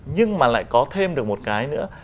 nhưng mà lại có thêm được một cái nữa